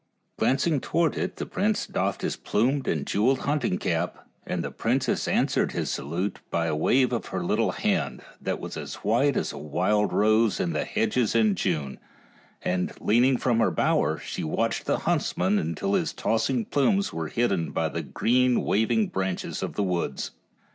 Glancing towards it the prince doffed his plumed and jeweled hunting cap, and the princess an swered his salute by a wave of her little hand, that was as white as a wild rose in the hedges in June, and leaning from her bower, she watched the huntsman until his tossing plumes were hid den by the green waving branches of the woods.